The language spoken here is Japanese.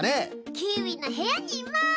キーウィのへやにいます！